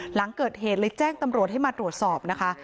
หลังเกิดเหตุเลยแจ้งตำรวจให้มาตรวจสอบนะคะ